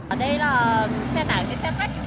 ở đây là xe tải xe khách